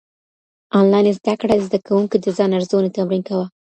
انلاين زده کړه زده کوونکي د ځان ارزونې تمرين کاوه.